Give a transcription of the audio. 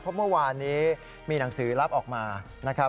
เพราะเมื่อวานนี้มีหนังสือรับออกมานะครับ